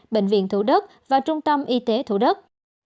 bệnh viện thủ đức và trung tâm y tế thủ đức